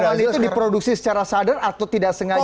padahal itu diproduksi secara sadar atau tidak sengaja